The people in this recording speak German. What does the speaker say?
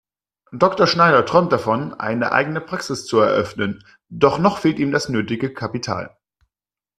Dr. Schneider träumt davon, eine eigene Praxis zu eröffnen, doch noch fehlt ihm das nötige Kapital.